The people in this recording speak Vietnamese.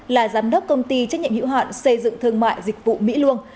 là giám đốc công ty trách nhiệm hiệu hạn xây dựng thương mại dịch vụ mỹ luông